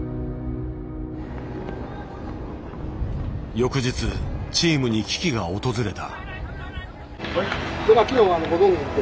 翌日チームに危機が訪れた。